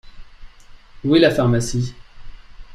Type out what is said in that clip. Où est la pharmacie ?